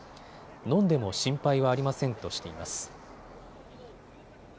飲んでも心配はありませんとしています。